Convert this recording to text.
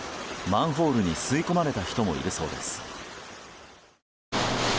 マンホールに吸い込まれた人もいるそうです。